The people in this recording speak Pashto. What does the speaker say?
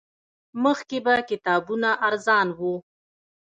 مخکې به کتابونه ارزان وو